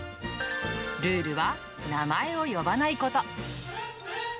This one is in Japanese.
ルールは名前を呼ばないこと。